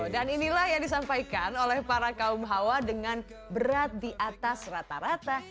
inilah yang disampaikan oleh para kaum hawa dengan berat di atas rata rata